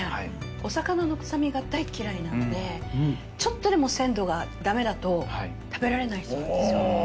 お魚の臭みが大嫌いなんでちょっとでも鮮度がダメだと食べられない人なんですよ。